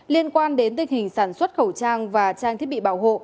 liên quan đến tình hình sản xuất khẩu trang và trang thiết bị bảo hộ